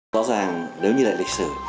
rõ ràng nếu như là lịch sử